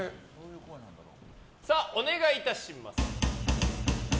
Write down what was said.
お願いいたします！